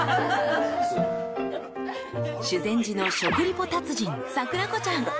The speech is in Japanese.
［修善寺の食リポ達人さくらこちゃん］